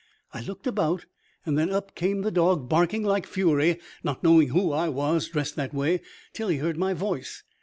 I looked about, and then up came the dog, barking like fury, not knowing who I was, dressed that way, till he heard my voice.